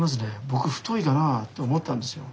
僕太いかなあと思ったんですよ。